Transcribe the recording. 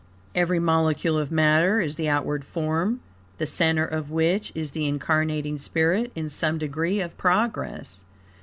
Every molecule of matter is the outward form, the center of which, is the incarnating spirit, in some degree of progress.